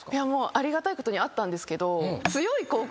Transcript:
ありがたいことにあったんですけど。